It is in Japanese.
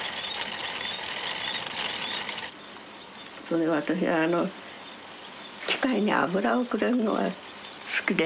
それで私はあの機械に油をくれるのが好きでね。